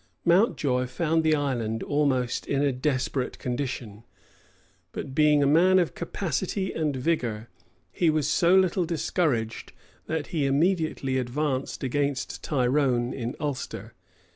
Mountjoy found the island almost in a desperate condition; but being a man of capacity and vigor, he was so little discouraged, that he immediately advanced against Tyrone in Ulster.